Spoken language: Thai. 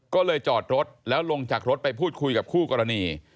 ก็เลยจอดรถแล้วลงจากรถไปพูดคุยกับคู่กรณี